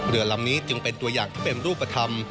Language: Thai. เรือลำนี้จึงเป็นตัวอย่างที่เป็นรูปธรรม